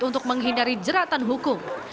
untuk menghindari jeratan hukum